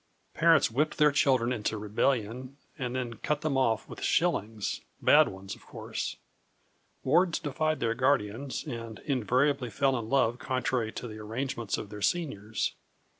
Parents whipped their children into rebellion and then cut them off with shillings bad ones, of course. Wards defied their guardians, and invariably fell in love contrary to the arrangements of their seniors.